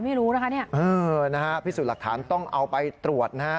เออนะฮะพิสูจน์หลักฐานต้องเอาไปตรวจนะฮะ